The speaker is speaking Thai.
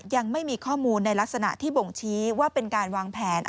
ยังไม่มีข้อมูลในลักษณะที่บ่งชี้ว่าเป็นการวางแผน